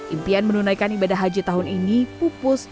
impian menunaikan ibadah haji tahun ini pupus